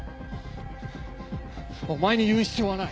お前に言う必要はない。